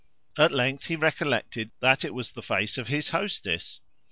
At length he recollected that it was the face of his hostess.